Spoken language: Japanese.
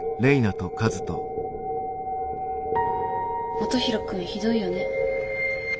元宏君ひどいよね。